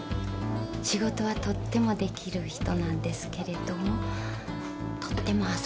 仕事はとってもできる人なんですけれどもとっても遊び人。